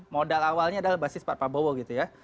modal awalnya adalah basis pak prabowo gitu ya